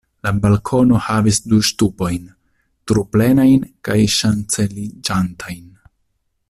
La balkono havis du ŝtupojn, truplenajn kaj ŝanceliĝantajn.